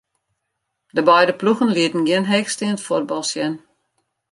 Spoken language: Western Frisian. De beide ploegen lieten gjin heechsteand fuotbal sjen.